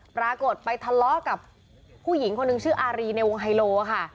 ปรากฏไปทะเลาะกับผู้หญิงคนหนึ่งชื่ออารีในวงไฮโลค่ะ